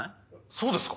そうですか？